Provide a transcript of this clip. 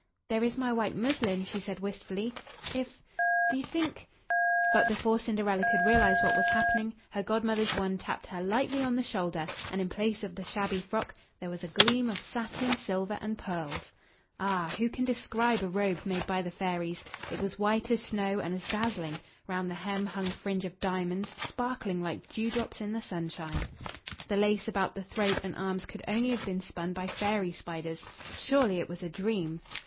"There is my white muslin," she said wistfully, "if do you think " But before Cinderella could realize what was happening, her Godmother's wand tapped her lightly on the shoulder, and in place of the shabby frock, there was a gleam of satin, silver, and pearls. Ah! who can describe a robe made by the fairies? It was white as snow, and as dazzling; round the hem hung a fringe of diamonds, sparkling like dew drops in the sunshine. The lace about the throat and arms could only have been spun by fairy spiders. Surely it was a dream!